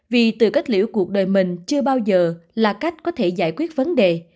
vì từ cách liễu cuộc đời mình chưa bao giờ là cách có thể giải quyết vấn đề